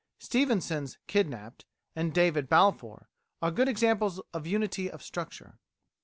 Stevenson's "Kidnapped" and "David Balfour" are good examples of unity of structure.